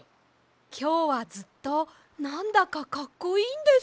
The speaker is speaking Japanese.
きょうはずっとなんだかかっこいいんです。